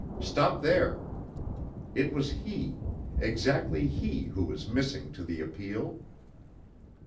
Stop there! It was he, exactly he who was missing to the appeal.